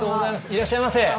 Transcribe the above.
いらっしゃいませ。